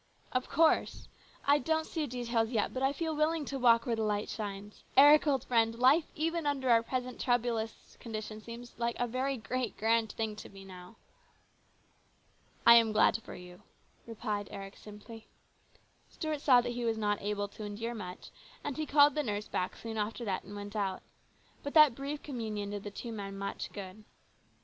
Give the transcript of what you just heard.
Of course. I don't see details yet, but I feel willing to walk where the light shines. Eric, old friend, life even under our present troublous conditions seems like a very great, grand thing to me now." " I am glad for you," replied Eric simply. Stuart saw that he was not able to endure much, and he called the nurse back soon after that and went out. But that brief communion did the two men much good.